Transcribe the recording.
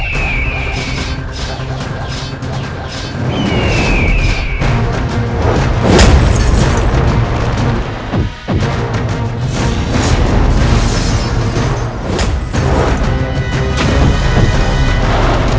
kalian adalah satu saudara dana